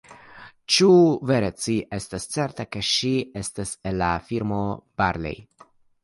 Ĉu vere ci estas certa, ke ŝi estas el la firmo Barlei?